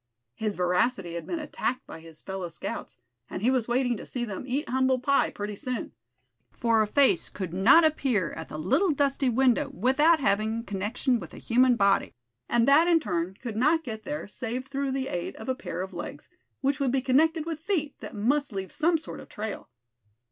His veracity had been attacked by his fellow scouts, and he was waiting to see them "eat humble pie" pretty soon; for a face could not appear at the little dusty window without having connection with a human body; and that in turn could not get there save through the aid of a pair of legs; which would be connected with feet that must leave some sort of trail.